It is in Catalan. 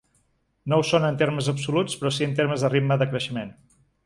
No ho són en termes absoluts, però sí en termes de ritme de creixement.